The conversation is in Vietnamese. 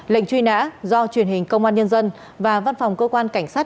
lệnh truy nã do truyền hình công an nhân dân và văn phòng cơ quan cảnh sát